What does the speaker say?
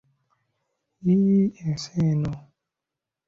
Yiiiii ensi eno!